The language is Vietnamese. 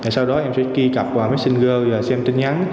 sau đó em sẽ ghi cặp qua messenger và xem tin nhắn